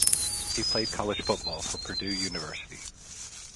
He played college football for Purdue University.